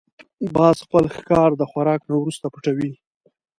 باز خپل ښکار د خوراک نه وروسته پټوي